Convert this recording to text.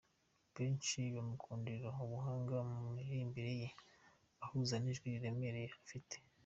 Benshi bamukundira ubuhanga mu miririmbire ye ahuza n’ijwi riremereye afite.